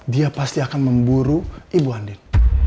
dia pasti akan memburu ibu hamil